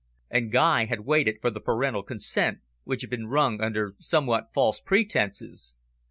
And Guy had waited for the parental consent, which had been wrung under somewhat false pretences.